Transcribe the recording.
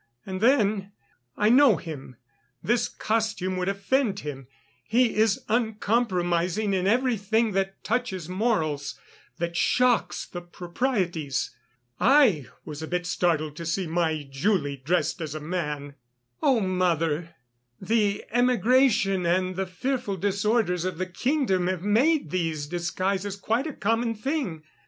And then, I know him; this costume would offend him; he is uncompromising in everything that touches morals, that shocks the proprieties. I was a bit startled to see my Julie dressed as a man." "Oh! mother, the emigration and the fearful disorders of the kingdom have made these disguises quite a common thing.